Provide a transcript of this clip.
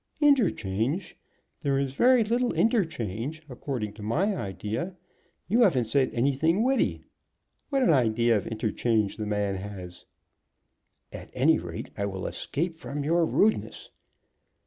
"Interchange! There is very little interchange, according to my idea. You haven't said anything witty. What an idea of interchange the man has!" "At any rate I will escape from your rudeness."